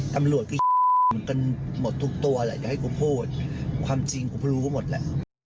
ตำรวจตื๊ดหมดทุกตัวคืออะไรคะ